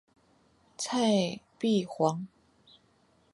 蔡璧煌。